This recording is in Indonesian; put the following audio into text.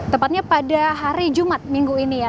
tepatnya pada hari jumat minggu ini ya